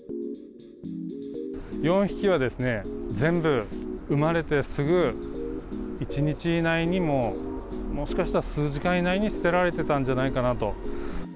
４匹は全部、産まれてすぐ、１日以内に、もう、もしかしたら数時間以内に捨てられてたんじゃないかなと。